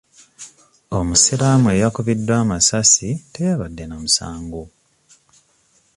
Omusiraamu eyakubiddwa amasasi teyabadde na musango.